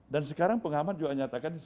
dan sekarang pengamat juga menyatakan